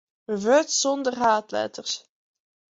Wurd sonder haadletters.